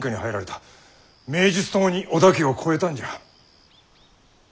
名実ともに織田家を超えたんじゃ。